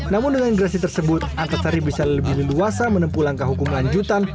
namun dengan gerasi tersebut antasari bisa lebih leluasa menempuh langkah hukum lanjutan